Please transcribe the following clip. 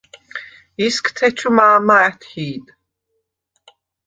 ისგთეჩუ მა̄მა ა̈თჰი̄დ.